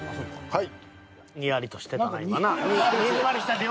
はい。